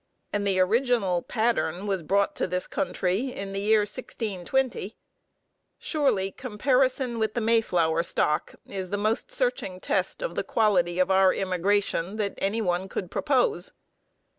And the original pattern was brought to this country in the year 1620. Surely comparison with the Mayflower stock is the most searching test of the quality of our immigration that any one could propose.